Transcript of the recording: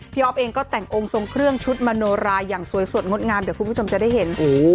ออฟเองก็แต่งองค์ทรงเครื่องชุดมโนราอย่างสวยสดงดงามเดี๋ยวคุณผู้ชมจะได้เห็น